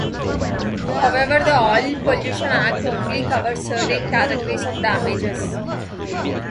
However, the Oil Pollution Act only covers certain categories of damages.